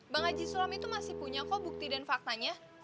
bang haji sulam itu masih punya kok bukti dan faktanya